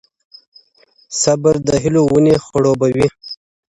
صبر د هیلو ونې خړوبوي,